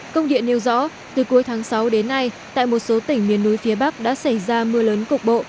công điện nêu rõ từ cuối tháng sáu đến nay tại một số tỉnh miền núi phía bắc đã xảy ra mưa lớn cục bộ